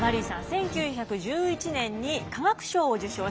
１９１１年に化学賞を受賞します。